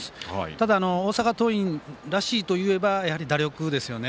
ただ、大阪桐蔭らしいといえば打力ですよね